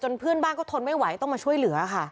เพื่อนบ้านก็ทนไม่ไหวต้องมาช่วยเหลือค่ะ